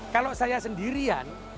kalau saya sendirian